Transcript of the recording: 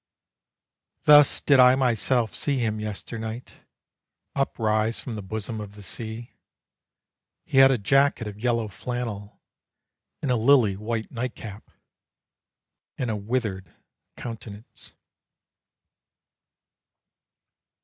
Thus did I myself see him yester night, Uprise from the bosom of the sea. He had a jacket of yellow flannel, And a lily white night cap, And a withered countenance.